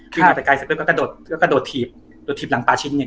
ค่ะวิ่งมาแต่ไกลเสร็จปุ๊บก็ก็ก็โดดถีบโดดถีบหลังปลาชินเนี่ย